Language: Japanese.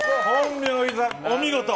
お見事！